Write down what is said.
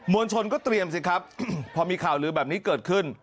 วลชนก็เตรียมสิครับพอมีข่าวลือแบบนี้เกิดขึ้น